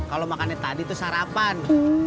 kalau makannya tadi itu sarapan